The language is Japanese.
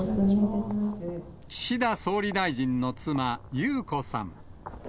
岸田総理大臣の妻、裕子さん。